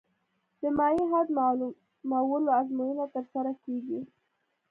د مایع حد معلومولو ازموینه ترسره کیږي